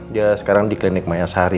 dia sekarang di klinik mayasari